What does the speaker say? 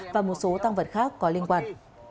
và một số tăng vật khác có liên quan